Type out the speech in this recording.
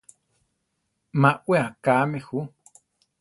Má wé akáme jú.